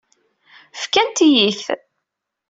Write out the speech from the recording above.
Fkant-iyi-t.